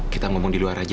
kita ngomong di luar aja ya